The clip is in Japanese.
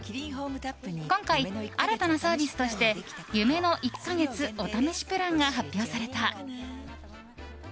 今回、新たなサービスとして夢の１ヶ月お試しプランが発表された。